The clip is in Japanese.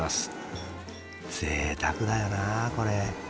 ぜいたくだよなあこれ。